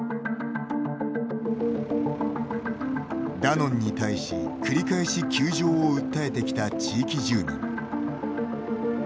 ダノンに対し繰り返し窮状を訴えてきた地域住民。